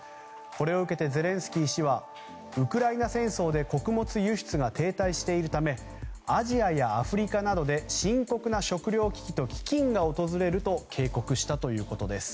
これを受けてゼレンスキー氏はウクライナ戦争で穀物輸出が停滞しているためアジアやアフリカなどで深刻な食糧危機と飢饉が訪れると警告したということです。